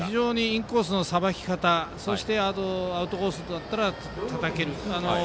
インコースのさばき方そしてアウトコースだったらたたける。